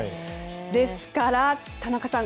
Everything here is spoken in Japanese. ですから、田中さん